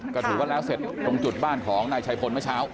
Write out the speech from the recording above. ก็ถือว่าแล้วเสร็จตรงจุดบ้านของนายชัยพลเมื่อเช้า